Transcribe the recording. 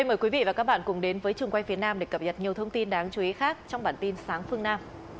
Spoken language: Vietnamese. mời quý vị và các bạn cùng đến với trường quay phía nam để cập nhật nhiều thông tin đáng chú ý khác trong bản tin sáng phương nam